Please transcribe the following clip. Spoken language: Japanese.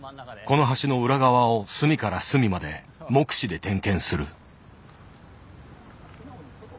この橋の裏側を隅から隅まで目視で点検する。